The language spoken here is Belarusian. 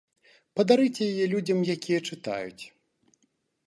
Падарыце яе людзям, якія чытаюць.